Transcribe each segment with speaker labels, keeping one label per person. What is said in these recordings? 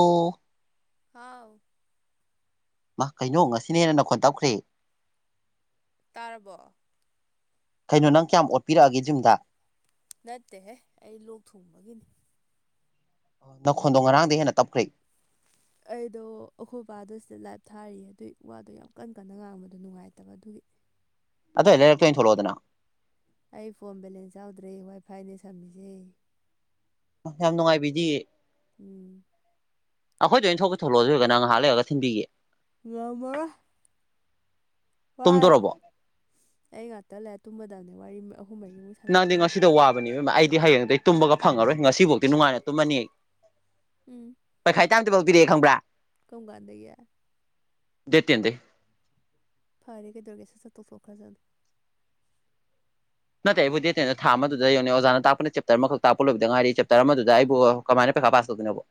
Speaker 1: ꯑꯣ
Speaker 2: ꯍꯥꯎ
Speaker 1: ꯃꯥ ꯀꯩꯅꯣ ꯉꯁꯤꯅꯦꯅ ꯅꯈꯣꯟ ꯇꯧꯈ꯭ꯔꯦ
Speaker 2: ꯇꯥꯔꯕꯣ
Speaker 1: ꯀꯩꯅꯣ ꯅꯪ ꯀꯌꯥꯝ ꯑꯣꯠꯄꯤꯔꯛꯑꯒꯦ ꯖꯤꯝꯗ
Speaker 2: ꯅꯠꯇꯦꯍꯦ ꯑꯩ ꯂꯣꯛ ꯊꯨꯡꯕꯒꯤꯅꯤ
Speaker 1: ꯅꯈꯣꯟꯗꯣ ꯉꯔꯥꯡꯗꯒꯤ ꯍꯦꯟꯅ ꯇꯞꯈ꯭ꯔꯦ
Speaker 2: ꯑꯩꯗꯣ ꯑꯩꯈꯣꯏ ꯕꯥꯗ ꯁꯤꯗ ꯂꯥꯏꯞ ꯊꯥꯔꯤꯌꯦ ꯑꯗꯨꯒꯤ ꯋꯥꯗꯣ ꯌꯥꯝ ꯀꯟ ꯀꯟꯅ ꯉꯥꯡꯕꯗꯣ ꯅꯨꯡꯉꯥꯏꯇꯕ ꯑꯗꯨꯒꯤ [inaudible]
Speaker 1: ꯑꯗꯣ ꯑꯦꯂꯔꯛꯇ ꯊꯂꯣꯗꯅꯥ
Speaker 2: ꯑꯩ ꯐꯣꯟ ꯕꯦꯂꯦꯟꯁ ꯌꯥꯎꯗ꯭ꯔꯦ ꯋꯥꯏꯐꯥꯏꯅꯦ ꯁꯝꯃꯤꯁꯦ
Speaker 1: ꯌꯥꯝ ꯅꯨꯡꯉꯥꯏꯕꯤꯗꯤ
Speaker 2: ꯎꯝ
Speaker 1: ꯑꯩꯈꯣꯏꯗꯣꯏ ꯑꯣꯏꯅꯅ ꯊꯣꯛꯄ ꯊꯣꯛꯂꯑꯣ ꯑꯗꯨꯏꯒ ꯅ ꯉꯥꯏꯍꯥꯛ ꯂꯩꯔꯒ ꯊꯤꯟꯕꯤꯒꯦ
Speaker 2: ꯅꯃꯃꯔꯣꯏ ꯋꯥꯔꯦ
Speaker 1: ꯇꯨꯝꯗꯣꯔꯕꯣ
Speaker 2: ꯑꯩ ꯉꯥꯛꯇ ꯂꯩ ꯇꯨꯝꯃꯗꯕꯅꯦ ꯋꯥꯔꯤ ꯑꯍꯨꯝ ꯃꯔꯤꯃꯨꯛ
Speaker 1: ꯅꯪꯗꯤ
Speaker 2: ꯁꯥꯟꯅꯊꯣꯛꯑꯒ
Speaker 1: ꯉꯁꯤꯗ ꯋꯥꯕꯅꯦꯕ ꯑꯩꯗꯤ ꯍꯌꯦꯡꯗꯤ ꯑꯩ ꯇꯨꯝꯕꯒ ꯐꯪꯉꯔꯣꯏ ꯉꯁꯤꯐꯥꯎꯗꯤꯤ ꯅꯨꯡꯉꯥꯏꯅ ꯇꯨꯝꯃꯅꯤ
Speaker 2: ꯎꯝ
Speaker 1: ꯇꯝ ꯄꯤꯔꯦ ꯈꯕ꯭ꯔꯥ
Speaker 2: ꯀꯣꯡꯒꯥꯟꯗꯒꯤ
Speaker 1: ꯗꯦꯠ ꯇꯦꯟꯗꯒꯤ
Speaker 2: ꯐꯔꯦ ꯀꯩꯗꯧꯒꯦꯁ ꯆꯠꯇꯣꯛꯊꯣꯛꯈ꯭ꯔꯖꯅ
Speaker 1: ꯅꯠꯇꯦ ꯑꯩꯕꯨ ꯗꯦꯠ ꯊꯥ ꯑꯃꯗ ꯌꯧꯅꯦ ꯑꯣꯖꯥꯅ ꯇꯥꯛꯄꯅ ꯆꯦꯞꯇꯔ ꯑꯃꯈꯛ ꯇꯥꯛꯄ ꯂꯣꯏꯕꯗꯥꯏꯔꯤ ꯆꯦꯞꯇꯔ ꯑꯃꯗꯨꯗ ꯑꯩꯕꯨ ꯀꯃꯥꯏ ꯍꯥꯕ ꯑꯗꯨꯅꯕꯣ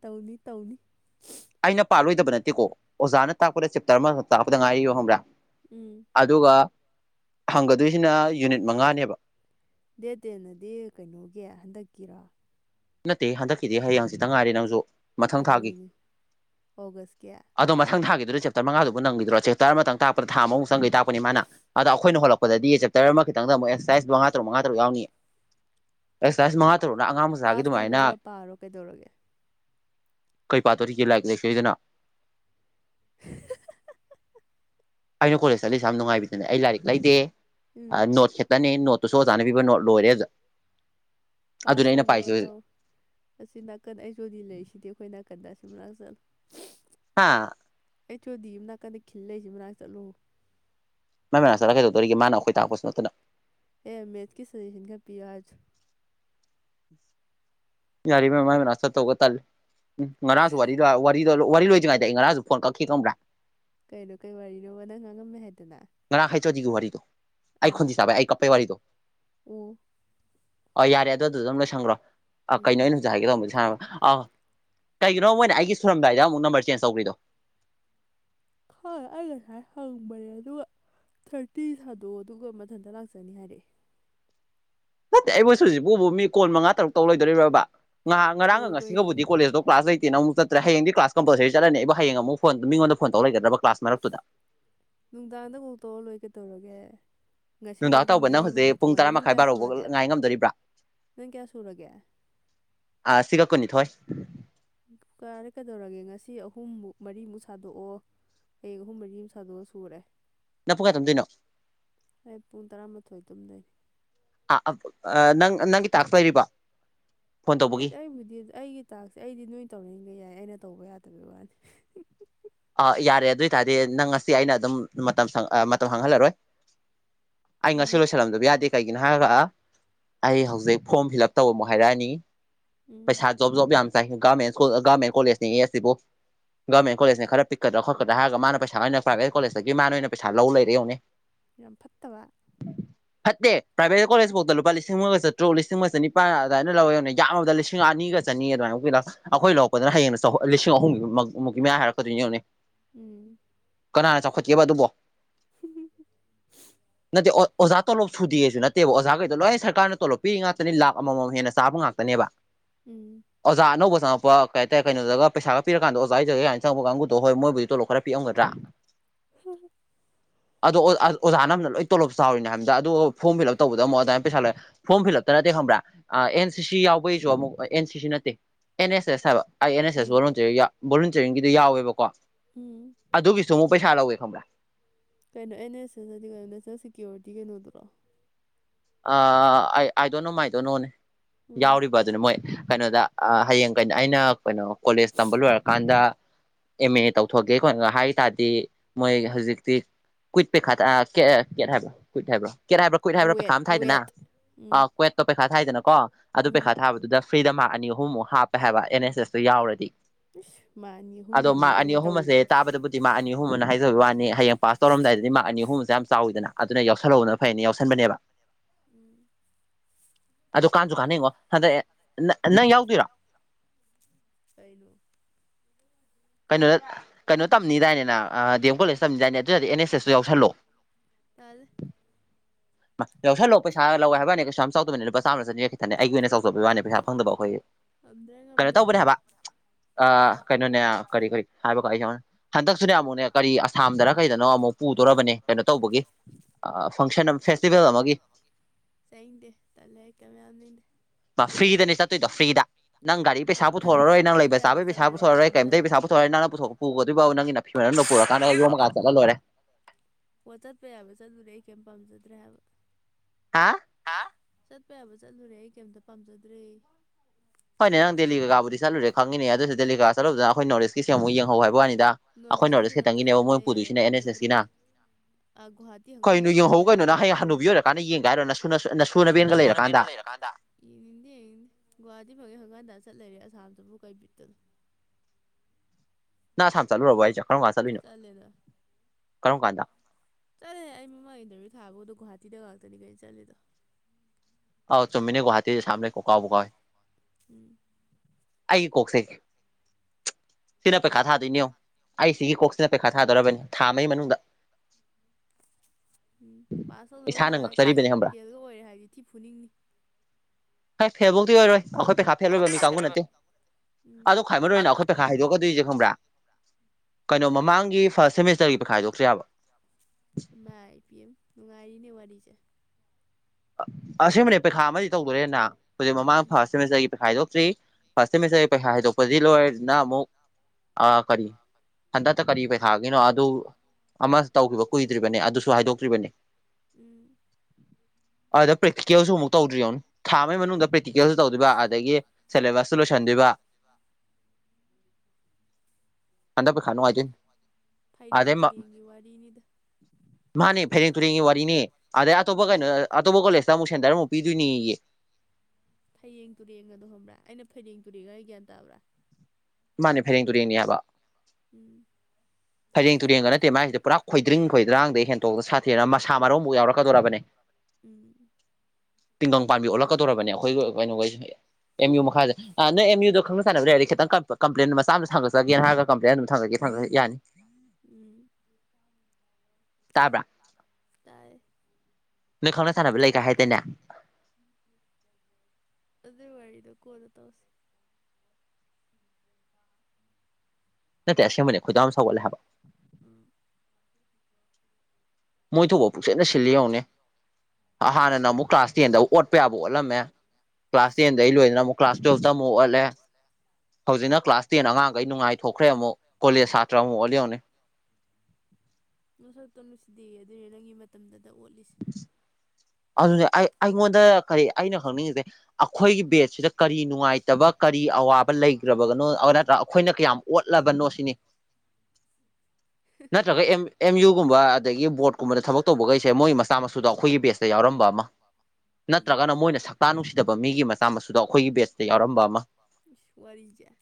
Speaker 2: ꯇꯧꯅꯤ ꯇꯧꯅꯤ
Speaker 1: ꯑꯩꯅ ꯄꯥꯜꯂꯣꯏꯗꯕ ꯅꯠꯇꯦꯀꯣ ꯑꯣꯖꯥꯅ ꯇꯥꯛꯄꯗ ꯆꯦꯞꯇꯔ ꯑꯃꯛ ꯇꯥꯛꯄꯗ ꯉꯥꯏꯔꯤꯌꯣ ꯍꯪꯕ꯭ꯔꯥ
Speaker 2: ꯎꯝ
Speaker 1: ꯑꯗꯨꯒ ꯍꯪꯒꯗꯣꯏꯁꯤꯅ ꯌꯨꯅꯤꯠ ꯃꯉꯥꯅꯦꯕ
Speaker 2: ꯗꯦꯠ ꯇꯦꯟꯅꯗꯤ ꯀꯩꯅꯣꯒꯤ ꯍꯟꯗꯛꯀꯤꯔ
Speaker 1: ꯅꯠꯇꯦ ꯍꯟꯗꯛꯀꯤꯗꯤ ꯍꯌꯦꯡꯁꯤꯇ ꯉꯥꯏꯔꯦ ꯅꯪꯁꯨ ꯃꯊꯪ ꯊꯥꯒꯤ
Speaker 2: ꯑꯗꯨꯅꯤ ꯑꯣꯒꯁꯀꯤ
Speaker 1: ꯑꯗꯣ ꯃꯊꯪ ꯊꯥꯒꯤ ꯑꯗꯨꯗ ꯆꯦꯞꯇꯔ ꯃꯉꯥꯗꯨꯕꯨ ꯅꯪꯈꯤꯗ꯭ꯔꯣ ꯆꯦꯞꯇꯔ ꯑꯃꯇꯪꯥꯛꯄꯗ ꯊꯥ ꯃꯨ ꯆꯪꯒꯩ ꯇꯥꯛꯄꯅꯤ ꯃꯥꯅ ꯑꯗ ꯑꯩꯈꯣꯏꯅ ꯍꯣꯂꯛꯄꯗꯗꯤ ꯆꯦꯞꯇꯔ ꯈꯤꯪꯨꯛꯁ ꯃꯉ ꯇꯔꯨ ꯃꯉꯥꯔꯨ ꯌꯥꯎꯅꯤ
Speaker 2: [unintelligible]
Speaker 1: ꯑꯩꯁ ꯃꯉꯥ ꯇ꯭ꯔꯣꯅ
Speaker 2: ꯄꯥꯁ ꯇꯧꯅꯕ ꯄꯥꯔꯣ ꯀꯩꯗꯧꯔꯒꯦ
Speaker 1: ꯀꯩ ꯄꯥꯠꯇꯣꯔꯤꯒꯦ ꯂꯥꯏꯔꯤꯛ ꯂꯩ ꯁꯣꯏꯗꯅ
Speaker 2: [unintelligible]
Speaker 1: ꯑꯩꯅ ꯀꯣꯂꯦꯖ ꯆꯠꯂꯤꯁꯦ ꯌꯥꯝ ꯅꯨꯡꯉꯥꯏꯕꯗꯨꯅꯦ ꯑꯩ ꯂꯥꯏꯔꯤꯛ ꯂꯩꯇꯦ
Speaker 2: ꯎꯝ
Speaker 1: ꯅꯣꯠ ꯈꯦꯠꯇꯅꯦ ꯅꯣꯠ ꯁꯨꯣꯖꯥꯅ ꯐꯤꯕ ꯂꯣꯏꯔꯦꯖ
Speaker 2: ꯄꯥꯁ ꯇꯧꯅꯕ ꯇꯧ ꯑꯁꯤ ꯅꯥꯀꯟ ꯑꯩꯁꯨꯗꯤ ꯂꯩꯁꯤꯗꯤ ꯑꯩꯈꯣꯏ ꯅꯥꯀꯟ ꯀꯗꯁꯨ ꯃꯛꯁꯜ
Speaker 1: ꯍꯥꯥ
Speaker 2: ꯑꯩ ꯊꯣꯏꯗꯤ ꯅꯥꯀꯟꯗ ꯈꯤꯜ ꯂꯩꯔꯤꯁꯦ ꯃꯅꯥꯛ ꯆꯠꯂꯣ
Speaker 1: ꯃꯥꯏ ꯃꯅꯥ ꯆꯠꯂꯒ ꯀꯩꯗꯧꯗꯧꯔꯤꯦ ꯃꯥꯅ ꯑꯩꯈꯣꯏ ꯇꯥꯛꯄꯁꯨ ꯅꯠꯇꯅ
Speaker 2: ꯑꯦ ꯑꯃꯦꯁꯀꯤ ꯁꯖꯤꯦꯁꯟ ꯀ ꯄꯌꯥꯖ
Speaker 1: ꯌꯥꯔꯤ ꯃꯃ ꯔꯁꯇꯧꯒ ꯇꯜ ꯎꯝ ꯉꯔꯥꯡꯁꯨ ꯋꯥꯔꯤꯗ ꯋꯥꯔꯤ ꯂꯣꯏꯁꯤꯉꯥꯏ ꯇ ꯑꯩ ꯉꯔꯥꯡꯁꯨ ꯐꯣꯟ ꯀꯛꯈꯤ ꯈꯪꯝꯕ꯭ꯔꯥ
Speaker 2: ꯀꯩꯅꯣ ꯀꯩ ꯋꯥꯔꯤꯅꯣꯕ ꯅꯪ ꯉꯥꯡꯉꯝꯃꯦ ꯍꯥꯏꯗꯅ
Speaker 1: ꯉꯔꯥ ꯈꯩ ꯆꯣꯖꯤꯒ ꯋꯥꯔꯤꯗ ꯑꯩ
Speaker 2: ꯑꯥ
Speaker 1: ꯈꯣꯟꯟꯖꯤ ꯆꯥꯕ ꯑꯩ ꯀꯞꯄꯦ ꯋꯥꯔꯤꯗ
Speaker 2: ꯑꯣ
Speaker 1: ꯑꯣ ꯌꯥꯔꯦ ꯑꯗꯨ ꯑꯗꯨ ꯑꯗꯨꯝ ꯂꯣꯏꯁꯪꯈ꯭ꯔꯣ ꯑ
Speaker 2: ꯎꯝ
Speaker 1: ꯀꯩꯅꯣ ꯑꯩꯅ ꯍꯧꯖꯤꯛ ꯍꯥꯏꯒꯦ ꯇꯧꯕ ꯁꯥꯟꯅꯕ ꯑ ꯀꯩꯒꯤꯅꯣ ꯃꯣꯏꯅ ꯑꯩꯒꯤ ꯁꯨꯔꯝꯗꯥꯏꯗ ꯑꯃꯨꯛ ꯅꯝꯕꯔ ꯆꯦꯟꯖ ꯇꯧ꯭ꯔꯤꯗꯣ
Speaker 2: ꯍ ꯑꯩ ꯉꯁꯥꯏ ꯍꯪꯕꯅꯦ ꯑꯗꯨꯒ ꯊꯥꯔꯇꯤ ꯊꯥꯗꯣꯛꯑꯣ ꯑꯗꯨꯒ ꯃꯊꯟꯇ ꯂꯥꯛꯆꯅꯤ ꯍꯥꯏꯔꯛꯑꯦ
Speaker 1: ꯅꯠꯇꯦ ꯑꯩꯕꯨꯁꯨ ꯍꯧꯖꯤꯛꯄꯨꯕꯨ ꯃꯤ ꯀꯣꯟ ꯃꯉꯥ ꯇꯔꯨꯛ ꯇꯧ ꯂꯩꯣꯏꯗꯣꯔꯤꯕꯔꯕ ꯉꯍ ꯉꯔꯥꯡꯒ
Speaker 2: ꯇꯧ ꯀꯩꯅꯣ
Speaker 1: ꯉꯁꯤꯒꯕꯨꯗꯤ ꯀꯣꯂꯦꯖꯇꯣ ꯀ꯭ꯂꯥꯁ ꯂꯩꯇ ꯀꯩꯅꯣ ꯑꯃꯨꯛ ꯆꯠꯇ꯭ꯔꯦꯌꯦꯡꯗꯤ ꯀ꯭ꯂꯥꯁ ꯀꯝꯄꯜꯁꯔꯤ ꯆꯠꯂꯅꯤꯕꯕꯨ ꯍꯌꯦꯡ ꯑꯃꯨꯛ ꯐꯣꯟ ꯃꯤꯉꯣꯟꯗ ꯐꯣꯟ ꯇꯧꯔ ꯂꯩꯒꯗꯕ ꯀ꯭ꯂꯥꯁ ꯃꯔꯛꯇꯨꯗ
Speaker 2: ꯅꯨꯡꯗꯥꯡꯗ ꯀꯜ ꯇꯧꯔ ꯂꯣꯏ ꯀꯩ ꯇꯧꯔꯒꯦ
Speaker 1: ꯅꯨꯡꯗꯥꯡ ꯇꯧꯕꯅ ꯍꯧꯖꯤꯛ ꯄꯨꯡ ꯇꯔꯥ ꯃꯈꯥꯏ ꯕꯥꯔꯣꯐꯥꯎ ꯉꯥꯏ ꯉꯝꯗꯣꯔꯤꯕ꯭ꯔꯥ
Speaker 2: ꯅꯣꯏ ꯀꯌꯥ ꯁꯨꯔꯒꯌꯥ
Speaker 1: ꯑꯥ ꯁꯤꯒ ꯀꯣꯅꯤ ꯍꯣꯏ
Speaker 2: ꯀ ꯀꯩꯗꯧꯔꯒꯦ ꯉꯁꯤ ꯑꯍꯨꯝꯃꯨꯛ ꯃꯔꯤꯃꯨꯛ ꯁꯥꯗꯣꯛꯑꯣ ꯑꯩ ꯑꯍꯨꯝ ꯃꯔꯤ ꯁꯥꯗꯣꯛꯑꯒ ꯁꯨꯔꯦ
Speaker 1: ꯅꯪ ꯄꯨꯡ ꯀꯌꯥ ꯇꯨꯝꯗꯣꯏꯅꯣ
Speaker 2: ꯑꯩ ꯄꯨꯡ ꯇꯔꯥꯃꯥꯊꯣꯏ ꯇꯨꯝꯗꯩ
Speaker 1: ꯅꯪ ꯅꯪꯒꯤ ꯇꯥꯛꯆꯔꯤꯕ
Speaker 2: ꯑꯩꯗꯤ ꯑꯩꯕꯨꯗꯤ ꯑꯩꯒꯤ ꯇꯥꯛꯁꯦ ꯑꯩꯗꯤ ꯅꯣꯏ ꯇꯧꯅꯤꯡꯅꯤꯡꯕ ꯌꯥꯏ ꯑꯩꯅ ꯇꯧꯕ ꯌꯥꯗꯕꯒꯤ ꯋꯥꯅꯤ
Speaker 1: ꯑ ꯌꯥꯔꯦ ꯑꯗꯨ ꯑꯣꯏꯇꯥꯔꯗꯤ ꯅꯪ ꯉꯁꯤ ꯑꯩꯅ ꯑꯗꯨꯝ ꯃꯇꯝ ꯃꯇꯝ ꯁꯥꯡꯍꯜꯂꯔꯣꯏ ꯑꯩ
Speaker 2: ꯎꯝ
Speaker 1: ꯉꯁꯤꯜꯣꯏꯁꯂꯂꯝꯗ ꯌꯥꯗꯤ ꯀꯩꯒꯤꯅꯣ ꯍꯥꯏꯔꯒ ꯑꯩ ꯍꯧꯖꯤꯛ ꯐꯣꯔꯝ ꯐꯤꯜ ꯑꯞ ꯇꯧꯕ ꯑꯃꯨꯛ ꯍꯥꯏꯔꯛꯑꯅꯤ
Speaker 2: ꯎꯝ
Speaker 1: ꯄꯩꯁꯥ ꯖꯣꯕ ꯖꯣꯕ ꯌꯥꯝ ꯆꯥꯏ ꯒꯃꯦꯟꯨꯜ ꯒꯃꯦꯟ ꯀꯣꯂꯦꯖꯅꯤꯉ ꯑꯁꯤꯕꯨ ꯒꯔꯃꯦꯟ ꯀꯣꯂꯦꯖꯅ ꯈꯔ ꯄꯛꯀꯗ꯭ꯔ ꯈꯣꯠꯀ꯭ꯔ ꯍꯥꯏꯔ ꯃꯥꯅꯩꯁꯥ ꯑꯣꯏꯅ ꯄ꯭ꯔꯥꯏꯚꯦꯠ ꯀꯣꯂꯦꯖꯇ ꯃꯥꯅ ꯑꯣꯏꯅ ꯄꯩꯁꯥ ꯂꯧ ꯂꯩꯔꯦꯡꯧꯅꯦ
Speaker 2: ꯌꯥꯝ ꯐꯠꯇꯕ
Speaker 1: ꯐꯠꯇꯦ ꯄ꯭ꯔꯥꯏꯚꯦꯠ ꯀꯣꯂꯦꯖ ꯐꯥꯎꯇ ꯂꯨꯄꯥ ꯂꯤꯁꯤꯡ ꯑꯃꯒ ꯆꯇ꯭ꯔꯨꯛ ꯂꯤꯁꯤꯡ ꯑꯃ ꯆꯅꯤꯄꯥꯥꯟ ꯑꯗꯨꯥꯏꯅ ꯂꯧꯧ ꯌꯥꯝꯃ ꯂꯤꯁꯤꯡ ꯑꯅꯤꯒ ꯆꯅꯤ ꯑꯗꯨꯃꯥꯏꯅ ꯀꯨ ꯑꯩꯈꯣꯏ ꯂꯧꯔꯛꯄꯗꯨꯅ ꯍꯌꯦꯡ ꯂꯤꯁꯤꯡ ꯑꯍꯨꯝꯒꯤ ꯃꯨꯛꯀꯤ ꯃꯌꯥ ꯍꯥꯏꯔꯛꯀꯗꯣꯏꯅꯤ ꯌꯦꯧꯅꯤ
Speaker 2: ꯎꯝ
Speaker 1: ꯀꯅꯥꯅ ꯆꯥꯎꯈꯠꯀꯦꯕ ꯑꯗꯨꯕꯣ
Speaker 2: ꯎ
Speaker 1: ꯍꯥꯏ ꯑꯣꯖꯥ ꯇꯣꯂꯣꯞ ꯁꯨꯗꯦꯁꯨ ꯅꯠꯇꯦꯕ ꯑꯣꯖꯥꯈꯩꯗ ꯂꯣꯏ ꯁꯔꯀꯥꯔꯅ ꯇꯣꯂꯣꯞ ꯄꯤꯔꯤ ꯉꯥꯛꯇꯅꯤ ꯂꯥꯛ ꯑꯃꯃꯝ ꯍꯦꯟꯅ ꯆꯥꯕ ꯉꯥꯛꯇꯅꯦꯕ
Speaker 2: ꯎꯝ
Speaker 1: ꯑꯣꯖꯥꯅꯣꯁ ꯆꯪꯉꯛ ꯀ ꯍꯥꯏꯇꯥꯥꯏ ꯀꯩꯅꯣꯗꯒ ꯄꯩꯁꯥꯒ ꯄꯤꯔꯥꯟꯗ ꯑꯣꯖꯥꯖꯒ ꯀꯥꯏꯅꯪꯉꯄ ꯀꯥꯡꯕꯨꯣ ꯍꯣꯏꯕꯨꯗꯤꯣꯂꯞ ꯈꯔ ꯄꯤꯔꯝꯒ꯭ꯔꯥ
Speaker 2: ꯍꯝ
Speaker 1: ꯑꯗꯣ ꯑꯣꯖꯥꯅ ꯑꯃꯅ ꯂꯣꯏ ꯇꯣꯂꯣꯞ ꯆꯥꯎꯔꯤꯅꯦ ꯍꯥꯏꯕꯗ ꯑꯣ ꯐꯣꯝ ꯐꯤꯜ ꯑꯞ ꯇꯧꯕꯗ ꯑꯃꯨꯛ ꯑꯣꯖꯥꯅ ꯄꯩꯁꯥ ꯂꯩꯔꯦ ꯐꯣꯝ ꯐꯤꯜ ꯑꯞ ꯅꯠꯇꯦ ꯈꯪꯕ꯭ꯔꯥ ꯑꯦꯟ ꯁꯤ ꯁꯤ ꯌꯥꯎꯕꯩꯁꯨ ꯑꯃꯨꯛ ꯍꯣꯏ ꯑꯦꯟ ꯁꯤ ꯁꯤ ꯅꯠꯇꯦ ꯑꯦꯟ ꯑꯦꯁ ꯑꯦꯁ ꯍꯥꯏꯕ ꯑꯩ ꯑꯦꯟ ꯑꯦꯁ ꯑꯦꯁ
Speaker 2: ꯎꯝ
Speaker 1: ꯚꯣꯂꯨꯇꯤꯌꯔꯤꯡ ꯕꯣꯂꯨꯇꯤꯌꯔꯤꯡꯒꯤꯗꯤ ꯌꯥꯎꯋꯦꯕꯀꯣ
Speaker 2: ꯎꯝ
Speaker 1: ꯑꯗꯨꯒꯤꯁꯨ ꯑꯃꯨꯛ ꯄꯩꯁꯥ ꯂꯧꯋꯦ ꯈꯪꯕ꯭ꯔꯥ
Speaker 2: ꯀꯩꯅꯣ ꯑꯦꯟ ꯑꯦꯁ ꯑꯦꯁꯗꯤ ꯀꯩꯅꯣ ꯅꯦꯁꯅꯦꯜ ꯁꯤꯦꯀ꯭ꯌꯨꯔꯤꯇꯤ ꯀꯩꯅꯣꯗꯨꯔꯣ
Speaker 1: ꯑ ꯑꯩ ꯑꯗꯣꯏꯅꯨ ꯃꯥꯏꯗꯣꯅꯣꯅꯦ
Speaker 2: ꯎꯝ
Speaker 1: ꯌꯥꯎꯔꯤꯕ ꯑꯗꯨꯅꯤ ꯃꯣꯏ ꯀꯩꯅꯣꯗ ꯍꯌꯦꯡ ꯀꯩꯅꯣ ꯑꯩꯅ ꯀꯩꯅꯣ ꯀꯣꯂꯦꯖ ꯇꯝꯕ ꯂꯣꯏꯔꯀꯥꯟꯗ ꯑꯦꯝ ꯑꯦ ꯇꯧꯊꯣꯛꯀꯦ ꯀꯣꯏꯅ ꯍꯥꯏ ꯇꯥꯔꯗꯤ ꯃꯣꯏ ꯍꯧꯖꯤꯛꯇꯤ ꯀꯨꯏꯠꯄꯩꯈꯥꯦꯠ ꯍꯥꯏꯕ꯭ꯔꯣ ꯀꯨꯏꯠ ꯍꯥꯏꯕ꯭ꯔꯣ ꯀꯦꯠ ꯍꯥꯏꯕ꯭ꯔꯥ ꯀ꯭ꯋꯠ ꯍꯥꯏꯕ꯭ꯔꯥ ꯄꯩꯈꯥ
Speaker 2: ꯀꯨꯋꯦꯠ
Speaker 1: ꯑꯃ ꯊꯥꯏꯗꯅ
Speaker 2: ꯀꯨꯋꯦꯠ ꯎꯝ
Speaker 1: ꯑꯥ ꯀ꯭ꯋꯦꯠꯇꯣ ꯄꯩꯈꯥ ꯊꯥꯏꯗꯅꯀꯣ ꯑꯗꯨ
Speaker 2: ꯎꯝ
Speaker 1: ꯄꯩꯈꯥ ꯊꯥꯕꯗꯨꯗ ꯐ꯭ꯔꯤꯗ ꯃꯍꯥꯛ ꯑꯅꯤ ꯑꯍꯨꯝꯃꯨꯛ ꯍꯥꯞꯄꯦ ꯍꯥꯏꯕ ꯑꯦꯟ ꯑꯦꯁ ꯑꯦꯁꯇꯨ ꯌꯥꯎꯔꯗꯤ
Speaker 2: ꯃꯥ ꯑꯅꯤ
Speaker 1: ꯑꯗꯣ ꯃ
Speaker 2: ꯑꯍꯨꯝꯒꯤꯅꯤꯅꯦ
Speaker 1: ꯑꯅꯤ
Speaker 2: ꯅꯪꯅ
Speaker 1: ꯑꯍꯨꯝ ꯑꯁꯦ
Speaker 2: ꯇꯧꯔꯤꯁꯦ
Speaker 1: ꯇꯥꯕꯗꯕꯨꯗꯤ ꯃꯥ ꯑꯅꯤ ꯑꯍꯨꯝꯅ ꯍꯥꯏ ꯕ ꯋꯥꯅꯤ ꯍꯌꯦꯡ ꯄꯥꯁ ꯇꯧꯔꯝꯗꯥꯏꯗꯗꯤ ꯃꯥꯔ ꯑꯅꯤ ꯑꯍꯨꯝ ꯑꯃꯁꯨ ꯌꯥꯝ ꯆꯥꯎꯋꯤꯗꯅ ꯑꯗꯨꯅ ꯌꯥꯎꯁꯜꯍꯧꯕꯕꯅ ꯐꯩꯅ ꯌꯥꯎꯁꯟꯕꯅꯦꯕ
Speaker 2: ꯎꯝ
Speaker 1: ꯑꯗꯨ ꯀꯥꯟꯁꯨ ꯀꯥꯟꯅꯤꯡꯩꯉꯣ ꯍꯟꯗꯛ ꯅꯪ ꯌꯥꯎꯗꯣꯏꯔꯥ
Speaker 2: ꯇꯅ
Speaker 1: ꯀꯩꯅꯣꯗ ꯀꯩꯅꯣ ꯇꯝꯅꯤꯗꯥꯏꯅꯤꯅ ꯗꯤ ꯑꯦꯝ ꯀꯣꯂꯦꯖ ꯇꯝꯅꯤꯗꯥꯏꯅꯦ ꯑꯗꯨꯅꯗꯤ ꯑꯦꯟ ꯑꯦꯁ ꯑꯦꯁꯁꯨ ꯌꯥꯎꯁꯜꯂꯣ
Speaker 2: ꯇꯜꯂꯦ
Speaker 1: ꯌꯥꯎꯁꯥ ꯂ ꯄꯩꯁꯥ ꯂꯧ ꯍꯥꯏꯅꯤ ꯀꯩꯥꯝ ꯆꯥꯎꯗꯃꯤꯅ ꯂꯄꯥ ꯆꯥꯝꯈꯤ ꯑꯩꯒꯤ ꯑꯣꯏꯅ ꯕꯥꯅꯤ ꯄꯩꯁꯥ ꯐꯪꯗꯕ ꯑꯩꯈꯣꯏ
Speaker 2: ꯉꯝꯗ꯭ꯔꯦ
Speaker 1: ꯀꯩꯅꯣ
Speaker 2: ꯉꯝꯗ꯭ꯔꯦ
Speaker 1: ꯇꯧꯕꯅꯦ ꯍꯥꯏꯕ ꯑ ꯀꯩꯅꯣꯅꯦ ꯀꯔꯤ ꯀꯔꯤ ꯍꯥꯏꯕ ꯀꯛꯁꯤ ꯍꯟꯗꯛꯁꯨꯅꯦ ꯑꯃꯨꯛꯅꯦ ꯀꯔꯤ ꯑꯁꯥꯝꯗꯔ ꯀꯩꯗꯅꯣ ꯑꯃꯨꯛ ꯄꯨꯗꯣꯔꯔꯕꯅꯦ ꯀꯩꯅꯣ ꯇꯧꯕꯒꯤ ꯐꯪꯁꯟ ꯑꯃ ꯐꯦꯁꯇꯤꯚꯦꯜ ꯂꯃꯒꯤ
Speaker 2: ꯁꯩꯗꯦ ꯇꯂꯦ ꯀꯃꯗꯗꯦ
Speaker 1: ꯐ꯭ꯔꯔꯤꯗꯅꯦ ꯆꯠꯣꯏꯣ ꯐ꯭ꯔꯔꯤꯗ ꯅꯪꯒꯥꯔꯤ
Speaker 2: ꯑꯣ
Speaker 1: ꯄꯩꯁꯥ
Speaker 2: ꯇꯜꯂꯦ
Speaker 1: ꯄꯨꯊꯣꯔꯔ
Speaker 2: ꯆꯠꯄ
Speaker 1: ꯅꯪꯕꯩꯁꯥ
Speaker 2: ꯌꯥꯕ ꯆꯠꯂꯨꯔꯦ
Speaker 1: ꯄꯨꯊꯛꯔ
Speaker 2: ꯄꯥꯝꯖꯗ꯭ꯔꯦ
Speaker 1: ꯀꯩꯝꯇꯒꯤꯩꯁꯥ ꯄꯨꯊꯣꯔꯛꯔ ꯅꯪꯅꯣꯛ ꯄꯨꯒꯗꯣꯏꯕ ꯅꯪꯒꯤ ꯅꯅꯥꯄꯤꯔꯅꯤ ꯔ ꯄꯨꯣ ꯂꯥꯛ ꯆꯂ ꯂꯣꯔꯦ
Speaker 2: ꯑꯣ ꯆꯠꯄ ꯌꯥꯕ ꯆꯠꯂꯗꯤ ꯑꯩ ꯀꯩꯝ ꯄꯥꯝꯖꯗ꯭ꯔꯦ ꯍꯥꯏꯕ
Speaker 1: ꯍꯥ
Speaker 2: ꯆꯠꯄ ꯌꯥꯕ ꯆꯠꯂꯨꯔꯦ ꯑꯩ ꯀꯩꯝꯇ ꯄꯥꯝꯖꯗ꯭ꯔꯦ
Speaker 1: ꯍꯣꯏꯅꯦ ꯅꯪ ꯗꯦꯜꯂꯤ ꯀꯥꯕꯨꯗꯤ ꯆꯠꯂꯨꯔꯦ ꯈꯪꯉꯤꯅꯦ ꯑꯗꯨꯗꯤ ꯗꯦꯜꯂꯤ ꯀꯥ ꯆꯠꯂꯨꯗ ꯑꯩꯈꯣꯏ ꯅꯣꯔꯠ ꯏꯁꯀꯤꯁꯤ ꯑꯃꯨꯛ ꯌꯦꯡꯍꯧ ꯍꯥꯏꯕ ꯋꯥꯅꯤ
Speaker 2: ꯅꯣꯔꯠ
Speaker 1: ꯑꯩꯈꯣꯏꯅ ꯑꯣꯔꯗ
Speaker 2: ꯏꯁꯀꯤꯁꯨ ꯇꯞꯇꯥꯏ
Speaker 1: ꯈꯤꯇꯪꯒꯤꯅꯦꯕ
Speaker 2: ꯆꯠꯂꯦ
Speaker 1: ꯃꯣꯏꯅ
Speaker 2: ꯌꯥꯔꯦ
Speaker 1: ꯄꯨꯗꯣꯏꯁꯤꯅꯦ ꯑꯦꯟ ꯑꯦꯁ ꯑꯦꯁ
Speaker 2: ꯄꯥꯝꯖꯗ꯭ꯔꯦ
Speaker 1: ꯁꯤꯅ
Speaker 2: ꯒꯨꯍꯥꯇꯤ ꯍꯪꯒꯠ
Speaker 1: ꯍꯣꯏꯅ
Speaker 2: ꯍꯟꯗ ꯆꯠ
Speaker 1: ꯌꯦꯡꯍꯧ
Speaker 2: ꯂꯩꯔꯦ
Speaker 1: ꯀꯩꯅꯣ
Speaker 2: ꯑꯗꯨ
Speaker 1: ꯅ ꯍꯌꯦꯡ ꯍꯅꯨꯕꯤ
Speaker 2: ꯀꯩꯗꯧꯗꯣꯏꯅꯣ
Speaker 1: ꯑꯣꯏꯔꯀꯥꯟꯗ ꯌꯦꯡꯒ ꯍꯥꯏꯔꯣ ꯅꯁꯨꯨ ꯅꯕꯦꯟꯒ ꯂꯩꯔꯀꯥꯟꯗ
Speaker 2: ꯒ ꯑꯃꯛꯀꯤ ꯍꯪꯒꯥꯥꯟꯗ ꯆꯠ ꯂꯩꯔꯦ ꯑꯁꯥꯝꯗꯨꯕꯨ ꯀꯩꯕꯤꯠꯇꯅꯣ
Speaker 1: ꯅꯁ ꯆꯠꯂꯨꯔꯕ ꯑꯩꯁꯦ ꯀꯔꯝ ꯀꯥꯟꯗ ꯆꯠꯂꯨꯏꯅꯣ
Speaker 2: ꯆꯠꯂꯦꯗ
Speaker 1: ꯀꯔꯝ ꯀꯥꯟꯗ
Speaker 2: ꯆꯠꯂꯦ ꯑꯩ ꯃꯃꯥ ꯏꯟꯇꯔꯚꯤꯌꯨ ꯊꯥꯕꯗꯣ ꯒꯨꯍꯥꯇꯤꯗ ꯉꯥꯛꯇꯅꯤ ꯀꯩꯅ ꯆꯠꯂꯦꯗꯣ
Speaker 1: ꯑꯥꯎ ꯆꯨꯝꯃꯤꯅꯤꯒꯍꯇꯤ ꯁꯝꯅ ꯀꯣꯀꯥꯎ ꯕꯨꯀꯥꯋꯣꯏ
Speaker 2: ꯎꯝ
Speaker 1: ꯑꯩꯒꯤ ꯀꯣꯛꯁꯦ ꯁꯤꯅ ꯄꯩꯈꯥ ꯊꯥꯗꯣꯏꯅꯦꯣ ꯑꯩ ꯁꯤꯒꯤ ꯀꯣꯛꯁꯤꯅ ꯄꯩꯈꯥ ꯊꯥꯗꯣꯔꯔꯕꯅꯤ ꯊꯥ ꯑꯃꯒꯤ ꯃꯅꯨꯡꯗ
Speaker 2: [inaudible] ꯎꯝ ꯄꯥꯁ ꯇꯧꯅꯕ
Speaker 1: ꯏꯁꯥꯅ
Speaker 2: ꯊꯥꯗ
Speaker 1: ꯉꯛꯆꯔꯤꯕꯅꯤ ꯈꯪꯕ꯭ꯔꯥ
Speaker 2: ꯐꯦꯜꯒ ꯑꯣꯏꯔꯦ ꯍꯥꯏꯕꯗꯤ ꯊꯤ ꯐꯨꯅꯤꯡꯅꯤ
Speaker 1: ꯍꯣꯏ ꯐꯦꯕꯧꯗꯤꯤ ꯑꯣꯏꯔꯣꯏ ꯑꯩꯈꯣꯏ ꯄꯩꯈꯥ ꯐꯦꯜꯂꯣꯏꯕ ꯃꯤ ꯀꯥꯡꯕꯨ ꯅꯠꯇꯦ
Speaker 2: ꯎꯝ
Speaker 1: ꯑꯗꯣ ꯈ꯭ꯥꯏꯏ ꯃꯔꯨ ꯑꯣꯏꯅ ꯑꯩꯈꯣꯏ ꯄꯩꯈꯥ ꯍꯥꯏꯗꯣꯛꯀꯗꯣꯏꯔꯤꯁꯦ ꯈꯪꯕ꯭ꯔꯥ ꯀꯩꯅꯣ ꯃꯃꯥꯡꯒꯤ ꯐꯥꯔꯁ ꯁꯦꯃꯤꯁꯇꯔꯒꯤ ꯄꯩꯈꯥꯏꯗꯣꯛꯇ꯭ꯔ ꯌꯥꯕ
Speaker 2: ꯏ ꯄꯤꯑꯦꯝ ꯅꯅꯨꯡꯉꯔꯤꯅꯦ ꯋꯥꯔꯤꯔꯤꯁ
Speaker 1: ꯑꯁꯦꯡꯕꯅꯦ ꯄꯩꯈꯥ ꯑꯃꯗꯤ ꯇꯧꯗꯣꯔꯦꯅ ꯍꯧꯖꯤꯛ ꯃꯃꯥꯡꯗ
Speaker 2: ꯎꯝ
Speaker 1: ꯐꯥꯔꯁꯠ ꯁꯦꯃꯤꯁꯇꯔꯒꯤ ꯄꯩꯈꯥꯗꯣꯛꯇ꯭ꯔꯤ ꯐꯁꯦꯁ ꯄꯩꯁꯥ ꯍꯥꯏꯗꯣꯛꯄꯗꯤ ꯂꯣꯏꯗꯅ ꯑꯃꯨꯛ ꯑ ꯀꯔꯤ ꯍꯟꯗꯛꯇ ꯀꯔꯤ ꯄꯩꯁꯥꯒꯤꯅꯣ ꯑꯗꯨ ꯑꯃ ꯇꯧꯈꯤꯕ ꯀꯨꯏꯗ꯭ꯔꯤꯕꯅꯦ ꯑꯗꯨꯁꯨ ꯍꯥꯏꯗꯣꯛꯇ꯭ꯔꯤꯕꯅꯤ
Speaker 2: ꯎꯝ
Speaker 1: ꯑꯗ ꯄ ꯀꯌꯥ ꯇꯧꯗ꯭ꯔꯤ ꯌꯧ ꯊꯥ ꯑꯃꯒꯤ ꯃꯅꯨꯡꯗ ꯄ꯭ꯔꯦꯛꯇꯤꯀꯦꯜꯁꯨ ꯇꯧꯗꯣꯏꯕ ꯑꯗꯒꯤ ꯁꯦꯂꯦꯕꯁꯇ ꯂꯣꯏꯁꯤꯟꯗꯣꯏꯕ
Speaker 2: [unintelligible]
Speaker 1: ꯑꯗ ꯄ
Speaker 2: ꯐꯔꯤ ꯇꯔꯤ ꯋꯥꯔꯤꯅꯤꯗ
Speaker 1: ꯃꯥꯅꯦ ꯐꯦꯔꯦꯡ ꯇꯨꯔꯦꯡꯒꯤ ꯋꯥꯔꯤꯅꯤ ꯑꯗꯩ ꯑꯇꯣꯞꯄ
Speaker 2: ꯎꯝ
Speaker 1: ꯀꯩꯅꯣ ꯑꯇꯣꯞꯄ ꯀꯣꯂꯦꯖꯇ ꯑꯃꯨꯛ ꯁꯦꯟꯗꯔ ꯑꯃꯨꯛ ꯄꯤꯗꯣꯏꯅꯤꯌꯦ
Speaker 2: ꯇꯔꯤꯒ ꯍ ꯀ ꯇꯕꯔ
Speaker 1: ꯃꯥꯅꯦ ꯐꯦꯔꯦꯡ ꯇꯨꯔꯦꯡꯅꯦ ꯍꯥꯏꯕ
Speaker 2: ꯎꯝ
Speaker 1: ꯐꯔꯦꯡ ꯇꯨꯔꯦꯡꯒ ꯅꯠꯇꯦ ꯃꯥꯒꯤꯁꯤꯗ ꯄꯨꯔꯥ ꯈꯣꯏꯗ꯭ꯔꯤꯡ ꯑꯩꯈꯣꯏ ꯗꯔꯥꯡꯗꯒꯤꯩ ꯍꯦꯟꯇꯣꯛꯇ ꯁꯥꯊꯤꯔꯅ ꯃꯁꯥ ꯃꯔꯣꯐꯥꯎ ꯌꯥꯎꯔꯛꯀꯗꯣꯔꯔꯕꯅꯦ
Speaker 2: ꯎꯝ
Speaker 1: ꯇꯤꯡꯒꯪ ꯄꯥꯝꯕꯤ ꯑꯣꯜꯂꯛꯀꯗꯧꯔꯕꯅꯦ ꯑꯩꯈꯣꯏ ꯀꯩꯅꯣ ꯑꯦꯝ ꯌꯨ ꯃꯈꯥꯁꯦ ꯅꯪ ꯑꯦꯝ ꯌꯨꯗ ꯈꯪ ꯁꯥꯟꯅꯕ ꯂꯩꯔꯗꯤꯈꯤꯇꯪ ꯀꯝꯄ꯭ꯂꯦꯟ ꯃꯆꯥ ꯑꯃ ꯊꯥꯡꯒꯆꯒꯦꯅ ꯍꯥꯏꯔꯒꯝꯄ꯭ꯂꯦꯟ ꯑꯗꯨꯝ ꯊꯥꯡꯖꯒꯦ ꯊꯖ ꯌꯥꯅꯤ
Speaker 2: ꯎꯝ
Speaker 1: ꯇꯥꯕ꯭ꯔꯥ
Speaker 2: ꯇꯥꯏ
Speaker 1: ꯅꯪ ꯈꯪꯅ ꯁꯥꯟꯅꯕ ꯂꯩꯒ ꯍꯥꯏꯗꯅꯦ
Speaker 2: ꯗ ꯀꯣꯗ ꯇꯁꯤ
Speaker 1: ꯅ ꯇꯁꯦ ꯃꯅꯦ ꯈꯣꯗ ꯑꯃ ꯁꯕ ꯍꯥꯏꯕ
Speaker 2: ꯎꯝ
Speaker 1: ꯃꯣꯏ ꯊꯕ ꯄꯨꯛꯆꯦꯟꯅ ꯁꯤꯜꯂꯤ ꯌꯦꯧꯉꯅꯦ ꯍꯥꯟꯅꯅ ꯑꯃꯨꯛ ꯀ꯭ꯂꯥꯁ ꯇꯦꯟꯗ ꯑꯣꯠꯄ ꯌꯥꯕ ꯑꯣꯠꯂꯝꯃꯦ ꯀ꯭ꯂꯥꯁ ꯇꯦꯟꯗꯒꯤꯩ ꯂꯣꯏꯗꯅ ꯑꯃꯨꯛ ꯀ꯭ꯂꯥꯁ ꯇꯨꯌꯦꯜꯞꯇ ꯑꯃꯨꯛ ꯑꯣꯠꯂꯦ ꯍꯧꯖꯤꯛꯅ ꯀ꯭ꯂꯥꯁ ꯇꯦꯟ ꯑꯉꯥꯡꯈꯩ ꯅꯨꯡꯉꯥꯏꯊꯣꯛꯈ꯭ꯔꯦ ꯑꯃꯨꯛ ꯀꯣꯂꯦꯖ ꯁꯥꯇ꯭ꯔ ꯑꯃꯨꯛ ꯑꯣꯂꯤꯧꯅꯤ
Speaker 2: ꯃ ꯁꯛꯇꯧꯅꯨꯁꯤꯗꯤ ꯑꯗꯨꯅꯦ ꯅꯪꯒꯤ ꯃꯇꯝꯗꯨꯇ ꯑꯣꯠꯂꯤꯁꯦ
Speaker 1: ꯑꯗꯨꯅꯦ ꯑꯩ ꯑꯩꯉꯣꯟꯗ ꯀꯔꯤ ꯑꯩꯅ ꯈꯪꯅꯤꯡꯉꯤꯁꯦ ꯑꯩꯈꯣꯏꯒꯤ ꯕꯦꯠꯁꯤꯗ ꯀꯔꯤ ꯅꯨꯡꯉꯥꯏꯇꯕ ꯀꯔꯤ ꯑꯋꯥꯕ ꯂꯩꯈ꯭ꯔꯕꯒꯅꯣ ꯅꯠꯇ꯭ꯔ ꯑꯩꯈꯣꯏꯅ ꯀꯌꯥꯝ ꯑꯣꯠꯂꯕꯅꯣ ꯁꯤꯅꯤ ꯅꯠꯇ꯭ꯔꯒ ꯑ ꯑꯦꯝ ꯌꯨꯒꯨꯝꯕ ꯑꯗꯒꯤ ꯕꯣꯔꯠꯀꯨꯝꯕꯗ ꯊꯕꯛ ꯇꯧꯕꯈꯩꯁꯦ ꯃꯣꯏ ꯃꯁ ꯆꯥꯃꯁꯨꯗꯣ ꯑꯩꯈꯣꯏꯒꯤ ꯕꯦꯁꯇ ꯌꯥꯎꯔꯝꯕ ꯑꯃ
Speaker 2: ꯎꯝ
Speaker 1: ꯅꯠꯇ꯭ꯔꯒꯅ ꯃꯣꯏꯅ ꯁꯥꯛꯛꯇꯇꯥ ꯅꯨꯡꯁꯤꯗꯕ ꯃꯤꯒꯤ ꯃꯆꯥ ꯃꯁꯨꯗꯣ ꯑꯩꯈꯣꯏꯒꯤ ꯕꯦꯁꯇ ꯌꯥꯎꯔꯝꯕ ꯑꯃ
Speaker 2: ꯄꯤꯖꯌꯥ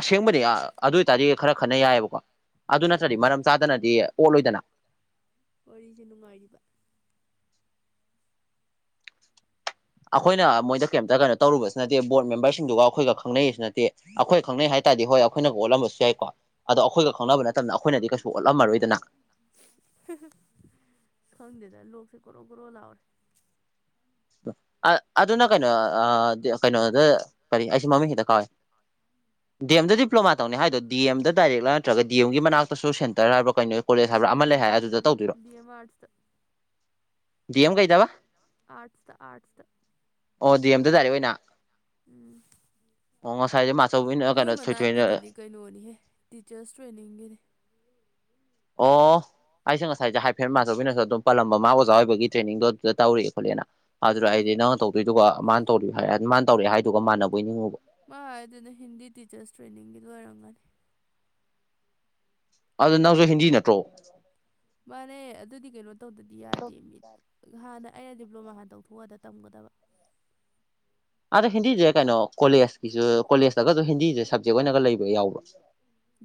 Speaker 1: ꯑꯁꯦꯡꯕꯅꯦ ꯑꯗꯨ ꯑꯣꯏꯇꯥꯔꯗꯤ ꯈꯔ ꯈꯅ ꯌꯥꯏꯑꯕꯀꯣ ꯑꯗꯨ
Speaker 2: ꯎꯝ
Speaker 1: ꯅꯠꯇ꯭ꯔꯗꯤ ꯃꯔꯝ ꯆꯥꯗꯅꯗꯤ ꯑꯣꯠꯂꯣꯏꯗꯅ
Speaker 2: ꯋꯥꯔꯤꯁꯦ ꯅꯨꯡꯉꯥꯏꯔꯤꯕ
Speaker 1: ꯑꯩꯈꯣꯏꯅ ꯃꯣꯏꯗ ꯀꯩꯝꯇ ꯀꯩꯅꯣ ꯇꯧꯔꯨꯕꯁꯨ ꯅꯠꯇꯦ ꯕꯣꯔꯗ ꯃꯦꯝꯕꯔꯁꯤꯡꯗꯨꯒ ꯑꯩꯈꯣꯏꯒ ꯈꯪꯅꯩꯁꯨ ꯅꯠꯇꯦ ꯑꯩꯈꯣꯏ ꯈꯪꯅꯩ ꯍꯥꯏꯇꯥꯔꯦ ꯗꯤ ꯍꯣꯏ ꯑꯩꯈꯣꯏꯅꯒ ꯑꯣꯜꯂꯝꯕꯁꯨ ꯌꯥꯏꯀꯣ ꯑꯗꯣ ꯑꯩꯈꯣꯏꯒ ꯈꯪꯅꯕ ꯅ ꯃꯇꯝꯗ ꯑꯩꯈꯣꯏꯅꯗꯤ ꯀꯩꯁꯨ ꯑꯣꯜꯂꯝꯃꯔꯣꯏꯗꯅ
Speaker 2: ꯈꯪꯗꯦꯗ ꯂꯣꯛꯁꯦ ꯀꯣꯔꯣ ꯣꯔꯣ ꯂꯥꯎꯑꯣꯔꯦ
Speaker 1: ꯑꯗꯨꯅ ꯀꯩꯅꯣ ꯀꯩꯅꯣꯗ ꯀꯔꯤ ꯑꯩꯁ ꯃꯃꯤꯡꯁꯤꯗ ꯀꯥꯎꯋꯦ ꯗꯤ ꯑꯦꯝꯗ ꯗꯤꯄ꯭ꯂꯣꯃꯥ ꯇꯧꯅꯤ ꯍꯥꯏꯗꯣ ꯗꯤ ꯑꯦꯝꯗ ꯗꯥꯏꯔꯦꯛꯂ ꯅꯠꯇ꯭ꯔꯒ ꯗꯤ ꯑꯦꯝꯒꯤ ꯃꯅꯥꯛꯇꯁꯨ ꯁꯦꯟꯇꯔ ꯍꯥꯏ ꯀꯩꯅꯣ ꯀꯣꯂꯦꯖ ꯍꯥꯏꯕ꯭ꯔꯥ ꯑꯃ
Speaker 2: ꯦꯝꯅꯦ
Speaker 1: ꯂꯩ ꯑꯗꯨꯗ ꯇꯧꯗꯣꯏꯔꯣ
Speaker 2: ꯗꯤꯅꯤ ꯋꯥꯁ
Speaker 1: ꯑꯦꯝ ꯀꯩꯗꯕ
Speaker 2: ꯑꯠꯁꯇ ꯑꯥꯠꯁ
Speaker 1: ꯑꯣꯗꯤ ꯑꯝꯇ ꯇꯥꯔꯦ ꯑꯣꯏꯅ
Speaker 2: ꯎꯝ
Speaker 1: ꯑꯣꯉ ꯍꯥꯏꯦ
Speaker 2: ꯃꯣꯏ ꯃꯅꯥꯛꯀꯤꯗꯨꯗꯤ ꯀꯩꯅꯣꯅꯤꯍꯦ ꯇꯤꯆꯔꯁ ꯇ꯭ꯔꯦꯅꯤꯡꯒꯤꯅꯤ
Speaker 1: ꯑꯣ ꯑꯩꯁꯦ ꯉꯁꯥꯏꯁꯦ ꯍꯥꯏꯐꯦꯠ ꯃꯥꯖꯕꯤꯅꯁꯨ ꯑꯗꯨꯝ ꯄꯜꯂꯝꯕ ꯃꯥ ꯑꯣꯖꯥ ꯑꯣꯏꯕꯒꯤ ꯇ꯭ꯔꯦꯅꯤꯡꯗꯣ ꯑꯗꯨꯗ ꯇꯧꯔꯑꯦ ꯈꯣꯠꯂꯦꯅ ꯑꯗꯨꯗ
Speaker 2: ꯎꯝ
Speaker 1: ꯑꯩꯗꯤ ꯅꯪꯅ ꯇꯧꯗꯣꯏꯗꯨꯒ ꯃꯥꯅ ꯇꯧ ꯃꯥꯅ ꯇꯧꯔꯛꯑꯦ ꯍꯥꯏꯗꯨꯒ ꯃꯥꯟꯅꯕꯣꯏ ꯅꯤꯡꯉꯨꯕ
Speaker 2: ꯃꯥ ꯑꯗꯨꯅ ꯍꯤꯟꯗꯤ ꯇꯤꯆꯔꯁ ꯇ꯭ꯔꯦꯅꯤꯡꯒꯤ ꯑꯣꯏꯔꯝꯒꯅꯤ
Speaker 1: ꯑꯗꯨ ꯅꯪꯁꯨ ꯍꯤꯟꯗꯤ ꯅꯠꯇ꯭ꯔꯣ
Speaker 2: ꯃꯥꯅꯦ ꯑꯗꯨꯗꯤ ꯀꯩꯅꯣ ꯇꯧꯗꯗꯤ ꯌꯥꯗꯦ ꯃꯤꯠ ꯍꯥꯟꯅ ꯑꯩꯅ ꯗꯤꯄ꯭ꯂꯣꯃꯥ ꯍꯥꯟꯅ ꯇꯧꯊꯣꯛꯑꯗ ꯇꯝꯒꯗꯕ
Speaker 1: ꯑꯗ ꯍꯤꯟꯗꯤꯁꯦ ꯀꯩꯅꯣ ꯀꯣꯂꯦꯖꯀꯤꯁꯨ ꯀꯣꯂꯦꯖꯇꯒꯁꯨ ꯍꯤꯟꯗꯤꯁꯦ ꯁꯕꯖꯦꯛ ꯑꯣꯏꯅꯒ ꯂꯩꯕ ꯌꯥꯎꯕ꯭ꯔ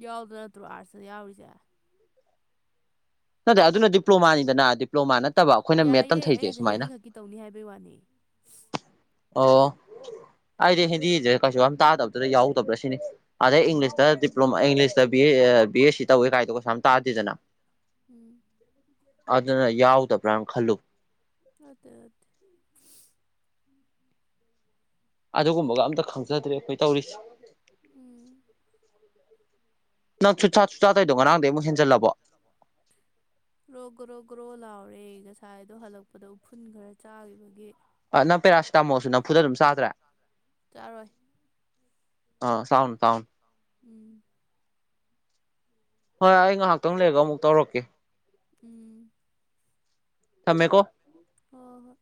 Speaker 2: ꯌꯥꯎꯗ ꯅꯠꯇ꯭ꯔꯣ ꯑꯥꯔꯁꯤꯗ ꯌꯥꯎꯔꯤꯁꯦ
Speaker 1: ꯅꯠꯇꯦ ꯑꯗꯨꯅ ꯗꯤꯄ꯭ꯂꯣꯃꯥꯅꯤꯗꯅ ꯗꯤꯄ꯭ꯂꯣꯃꯥ ꯅ
Speaker 2: ꯌꯥꯏꯌꯦꯦ ꯑꯩꯅ ꯆꯍꯤ ꯑꯅꯤꯈꯛꯀꯤ ꯇꯧꯅꯤ ꯍꯥꯏꯕꯩ ꯋꯥꯅꯤ
Speaker 1: ꯑꯣ ꯑꯩꯗꯤ ꯍꯤꯟꯗꯤꯁꯦ ꯀꯩꯁꯨ ꯌꯥꯝ ꯇꯥꯗꯕꯗꯨꯗ ꯌꯥꯎꯗꯕ꯭ꯔꯥ ꯁꯤꯅꯤ ꯑꯗꯩ
Speaker 2: ꯎꯝ
Speaker 1: ꯏꯪꯂꯤꯁꯇ ꯗꯤꯄ꯭ꯂꯣꯃꯥ ꯏꯪꯂꯤꯁꯇ ꯕꯤ ꯑꯦꯁ ꯁꯤ ꯇꯧꯋꯦ ꯀꯥꯏꯗꯣ ꯀꯩꯁꯥꯝ ꯇꯥꯗꯦꯗꯅ
Speaker 2: ꯎꯝ
Speaker 1: ꯑꯗꯨꯅ ꯌꯥꯎꯗꯕ꯭ꯔꯥꯅ ꯈꯜꯂꯨ
Speaker 2: ꯑꯗꯨ ꯑꯗꯨ
Speaker 1: ꯑꯗꯨꯒꯨꯝꯕꯒ ꯑꯝꯇ ꯈꯪꯖꯗ꯭ꯔꯦ ꯑꯩꯈꯣꯏ ꯇꯧꯔꯤꯁꯦ
Speaker 2: ꯎꯝ
Speaker 1: ꯅꯪ ꯆꯨꯆꯥꯥ ꯆꯨꯆꯥꯥꯗꯩꯗꯣ ꯉꯔꯥꯡꯗꯒꯤꯩ ꯑꯃꯨꯛ ꯍꯦꯟꯖꯜꯂꯕ
Speaker 2: ꯍꯣꯔꯦ ꯉꯁꯥꯏꯗꯣ ꯍꯜꯂꯛꯄꯗ ꯎꯐꯨꯟ ꯈꯔ ꯆꯥꯈꯤꯕꯒꯤ
Speaker 1: ꯑ ꯅꯪ ꯄꯦꯔꯥꯁꯤꯇꯥꯃꯣꯜꯁꯨ ꯅꯝꯐꯨꯗ ꯑꯗꯨꯝ ꯆꯥꯗ꯭ꯔꯦ
Speaker 2: ꯆꯥꯔꯣꯏ
Speaker 1: ꯑ ꯁꯥꯎꯅ ꯇꯥꯎꯟ
Speaker 2: ꯎꯝ
Speaker 1: ꯍꯣꯏ ꯑꯩ ꯉꯥꯏꯍꯥꯛꯇꯪ ꯂꯩꯔꯒ ꯑꯃꯨꯛ ꯇꯧꯔꯛꯀꯦ
Speaker 2: ꯎꯝ
Speaker 1: ꯊꯃꯦ ꯀꯣ
Speaker 2: ꯑꯣ